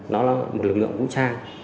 nó là một lực lượng vũ trang